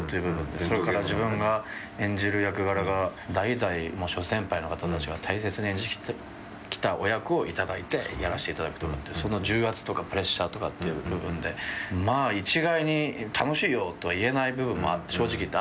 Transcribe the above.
それから自分が演じる役柄が代々もう諸先輩の方たちが大切に演じてきたお役を頂いてやらせていただくとかっていうその重圧とかプレッシャーとかっていう部分でまあ一概に楽しいよとは言えない部分も正直言ってあったんだけど。